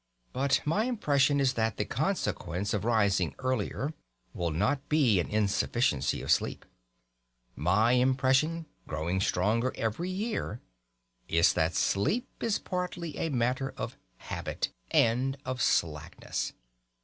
But my impression is that the consequences of rising earlier will not be an insufficiency of sleep. My impression, growing stronger every year, is that sleep is partly a matter of habit and of slackness.